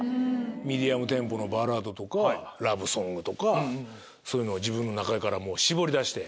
ミディアムテンポのバラードとかラブソングとかそういうのを自分の中から絞り出して。